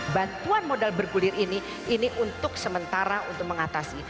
bantuan modal bergulir ini ini untuk sementara untuk mengatasi